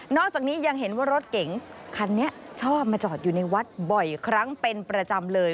อกจากนี้ยังเห็นว่ารถเก๋งคันนี้ชอบมาจอดอยู่ในวัดบ่อยครั้งเป็นประจำเลย